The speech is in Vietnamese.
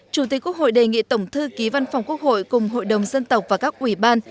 chủ tịch quốc hội đề nghị tổng thư ký văn phòng quốc hội cùng hội đồng dân tộc và các ủy ban